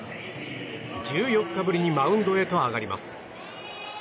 １４日ぶりにマウンドへと上がります。